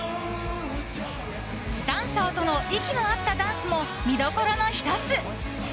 ダンサーとの息の合ったダンスも見どころの１つ。